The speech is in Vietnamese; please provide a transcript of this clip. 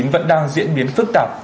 vẫn đang diễn biến phức tạp